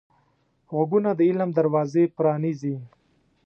غوږونه د علم دروازې پرانیزي